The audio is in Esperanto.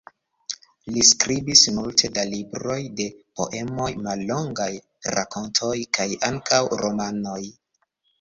Li skribis multe da libroj de poemoj, mallongaj rakontoj, kaj ankaŭ romanoj.